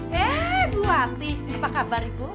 hei bu hati apa kabar ibu